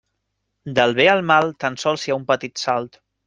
Del bé al mal tan sols hi ha un petit salt.